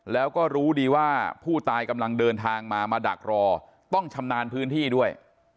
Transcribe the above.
แล้วก็รู้ดีว่าผู้ตายกำลังเดินทางมามาดักรอต้องชำนาญพื้นที่ด้วย